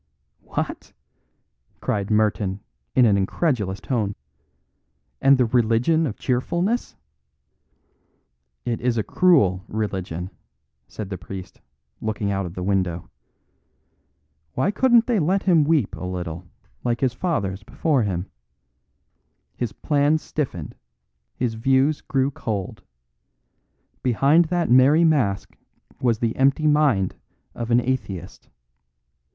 "What?" cried Merton in an incredulous tone. "And the Religion of Cheerfulness " "It is a cruel religion," said the priest, looking out of the window. "Why couldn't they let him weep a little, like his fathers before him? His plans stiffened, his views grew cold; behind that merry mask was the empty mind of the atheist.